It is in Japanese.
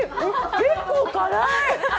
結構辛い！